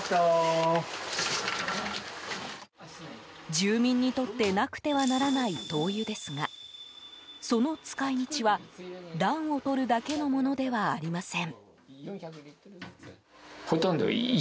住民にとってなくてはならない灯油ですがその使い道は暖をとるだけのものではありません。